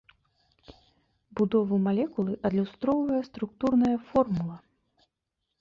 Будову малекулы адлюстроўвае структурная формула.